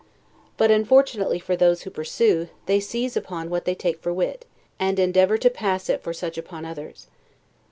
But, unfortunately for those who pursue, they seize upon what they take for wit, and endeavor to pass it for such upon others.